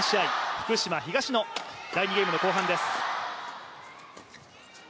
福島、東野第２ゲームの後半です。